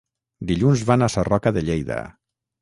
Dilluns van a Sarroca de Lleida.